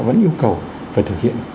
vẫn yêu cầu phải thực hiện